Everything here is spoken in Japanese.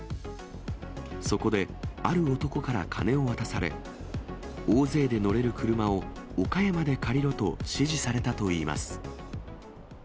そこで、ある男から金を渡され、大勢で乗れる車を岡山で借りろと指示されたといいます。